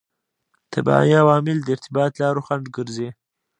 طبیعي عوامل د ارتباط لارو خنډ ګرځي.